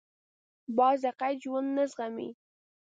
باز د قید ژوند نه زغمي